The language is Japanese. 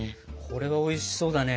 これはおいしそうだね。